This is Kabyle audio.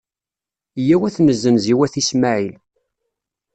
Yyaw ad t-nezzenz i wat Ismaɛil.